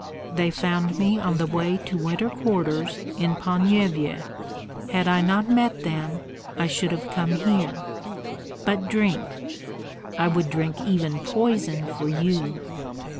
"They found me on the way to winter quarters in Ponyevyej. Had I not met them I should have come here." "But drink." "I would drink even poison for you!"